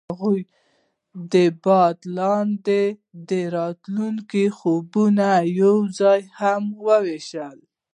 هغوی د باد لاندې د راتلونکي خوبونه یوځای هم وویشل.